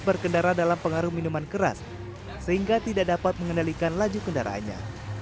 berkendara dalam pengaruh minuman keras sehingga tidak dapat mengendalikan laju kendaraannya